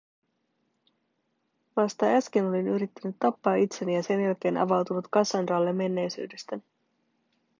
vasta äsken olin yrittänyt tappaa itseni, ja sen jälkeen avautunut Cassandralle menneisyydestäni.